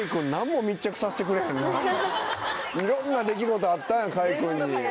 いろんな出来事あったんや開君に。